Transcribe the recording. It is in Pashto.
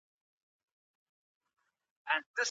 د پلار خبره نه ردیږي.